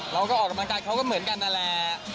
เราก็ออกกำลังการเข้าก็เหมือนกันนะแหล่ะ